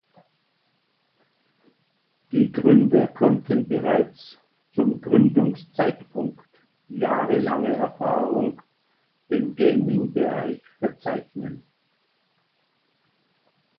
Die Gründer konnten bereits zum Gründungszeitpunkt jahrelange Erfahrung im Gaming-Bereich verzeichnen.